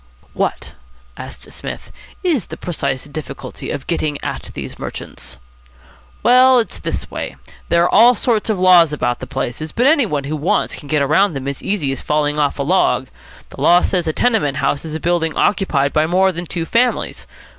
"What," asked Psmith, "is the precise difficulty of getting at these merchants?" "Well, it's this way. There are all sorts of laws about the places, but any one who wants can get round them as easy as falling off a log. The law says a tenement house is a building occupied by more than two families.